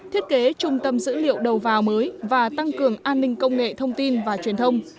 thiết kế trung tâm dữ liệu đầu vào mới và tăng cường an ninh công nghệ thông tin và truyền thông